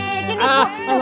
eh ini bu